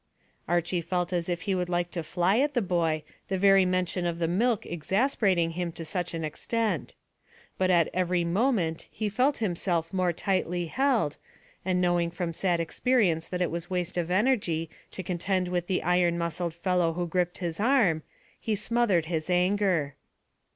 Archy felt as if he would like to fly at the boy, the very mention of the milk exasperating him to such an extent. But at every movement he felt himself more tightly held, and knowing from sad experience that it was waste of energy to contend with the iron muscled fellow who gripped his arm, he smothered his anger.